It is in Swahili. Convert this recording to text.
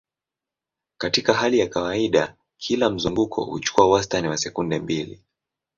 Katika hali ya kawaida, kila mzunguko huchukua wastani wa sekunde mbili.